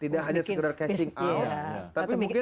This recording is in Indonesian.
tidak hanya cashing out tapi mungkin